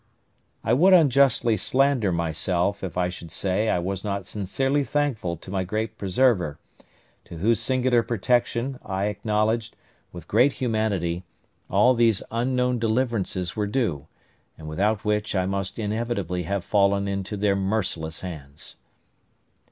I would unjustly slander myself if I should say I was not sincerely thankful to my great Preserver, to whose singular protection I acknowledged, with great humanity, all these unknown deliverances were due, and without which I must inevitably have fallen into their merciless hands.